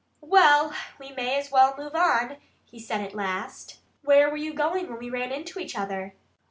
"Well, we may as well move on," he said at last. "Where were you going when we ran into each other?"